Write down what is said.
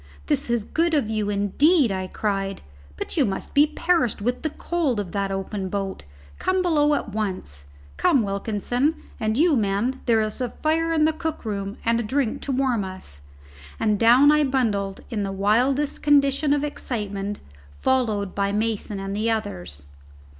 "This is good of you, indeed!" I cried. "But you must be perished with the cold of that open boat. Come below at once come Wilkinson, and you men there's a fire in the cook room and drink to warm us;" and down I bundled in the wildest condition of excitement, followed by Mason and the others.